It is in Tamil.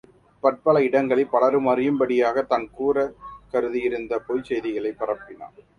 அங்கே பற்பல இடங்களில் பலரும் அறியும்படியாகத் தான் கூறக் கருதியிருந்த பொய்ச் செய்திகளைப் பரப்பினான்.